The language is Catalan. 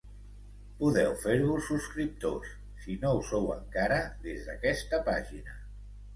Podeu fer-vos subscriptors, si no ho sou encara, des d’aquesta pàgina.